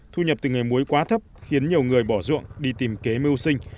thu nhập từ nghề muối quá thấp khiến nhiều người bỏ ruộng đi tìm kế mưu sinh